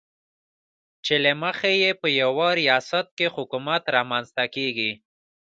چې له مخې یې په یوه ریاست کې حکومت رامنځته کېږي.